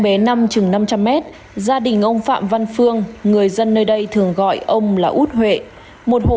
bé năm chừng năm trăm linh m gia đình ông phạm văn phương người dân nơi đây thường gọi ông là út huệ một hộ